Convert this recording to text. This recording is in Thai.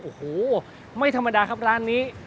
โอ้โหไม่ธรรมดาครับร้านนี้